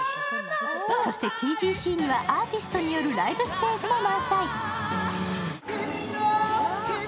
そしてＴＧＣにはアーティストによるライブステージも満載。